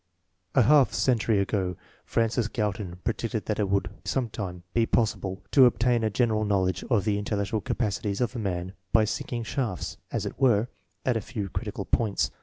A half century ago Francis Galton predicted that it would sometime be possible to obtain a general knowl edge of the intellectual capacities of a man by sinking shafts, as it were, at a few critical points.